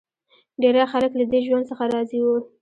ډېری خلک له دې ژوند څخه راضي وو